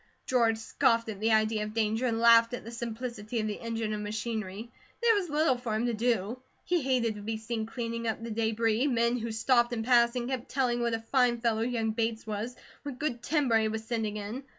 George scoffed at the idea of danger and laughed at the simplicity of the engine and machinery. There was little for him to do. He hated to be seen cleaning up the debris; men who stopped in passing kept telling what a fine fellow young Bates was, what good timber he was sending in.